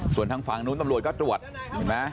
ส่วนทางฝั่งนู้นตำรวจก็ตรวจ